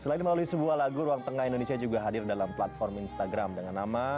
selain melalui sebuah lagu ruang tengah indonesia juga hadir dalam platform instagram dengan nama